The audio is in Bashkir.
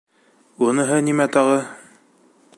- Уныһы нимә тағы?